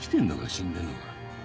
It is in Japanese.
死んでんのか？